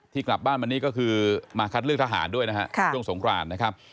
กลับบ้านวันนี้ก็คือมาคัดเลือกทหารด้วยนะฮะช่วงสงครานนะครับ